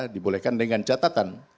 dibolehkan dengan catatan